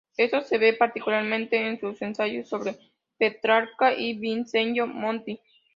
Esto se ve particularmente en sus ensayos sobre Petrarca y Vincenzo Monti.